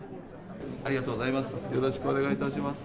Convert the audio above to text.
ありがとうございます。